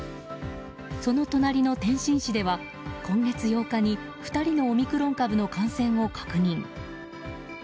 その隣の天津市では今月８日に２人のオミクロン株の感染を確認。